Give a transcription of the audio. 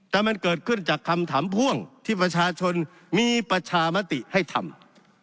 แต่มันเกิดขึ้นจากคำถามพ่วงที่ประชาชนมีประชามติให้ทำ